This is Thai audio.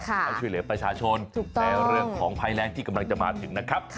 เขาช่วยเหลือประชาชนในเรื่องของภัยแรงที่กำลังจะมาถึงนะครับ